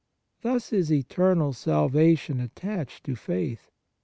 61 On Piety Thus is eternal salvation attached to faith.